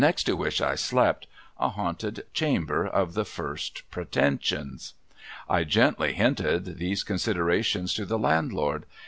xt to which I slept, a haunted chamber of the first pretensions. I gently hinted these considerations to the landlord.